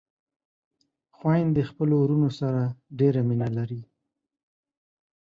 خويندې خپلو وروڼو سره ډېره مينه لري